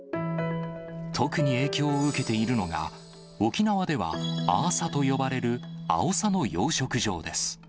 特に影響を受けているのが、沖縄ではアーサと呼ばれるあおさの養殖場です。